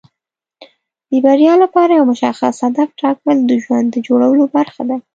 د بریا لپاره یو مشخص هدف ټاکل د ژوند د جوړولو برخه ده.